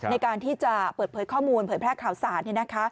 ในการที่จะเปิดเผยข้อมูลเผยแพร่ข่าวสาร